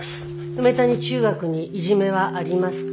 梅谷中学にいじめはありますか？